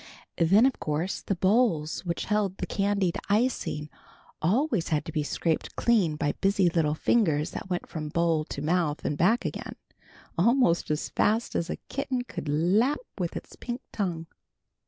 Then of course the bowls which held the candied icing always had to be scraped clean by busy little fingers that went from bowl to mouth and back again, almost as fast as a kitten could lap with its pink tongue.